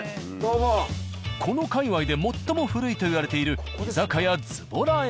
この界わいで最も古いといわれている「居酒屋ずぼら」へ。